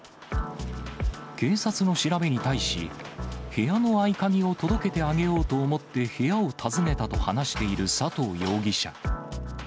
警察の調べに対し、部屋の合鍵を届けてあげようと思って部屋を訪ねたと話している佐藤容疑者。